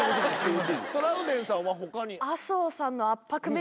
トラウデンさんは他に？